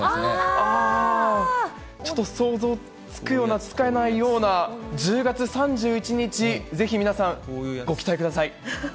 ちょっと想像つくようなつかないような、１０月３１日、ぜひ皆さん、ご期待ください。